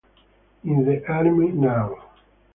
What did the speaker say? In the Army Now